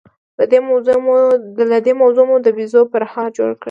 له دې موضوع مو د بيزو پرهار جوړ کړ.